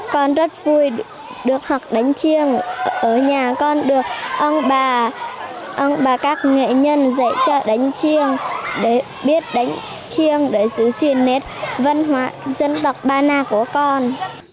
con rất vui được học đánh chiêng ở nhà con được ông bà và các nghệ nhân dạy cho đánh chiêng để biết đánh chiêng để giữ gìn nét văn hóa dân tộc ba na của con